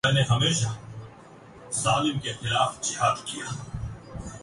کافی طلبہ لائبریری میں پڑھتے ہیں